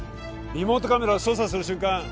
リモートカメラを操作する瞬間